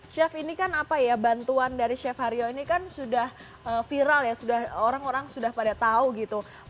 chef ini kan apa ya bantuan dari chef harjo ini kan sudah viral ya sudah orang orang sudah pada tahu gitu